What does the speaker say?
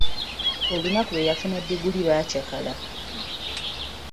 Olunaku lwe yafuna diguli baakyakala.